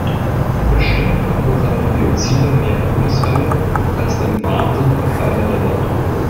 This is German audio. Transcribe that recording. Bestimmt verursachen Biozide mehr Todesfälle als dem Wahnsinn verfallene Rinder.